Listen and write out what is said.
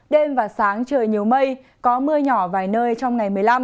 đêm và sáng trời nhiều mây có mưa nhỏ vài nơi trong ngày một mươi năm